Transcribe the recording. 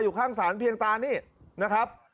อยู่ข้างสารเพียงตานี่นะครับ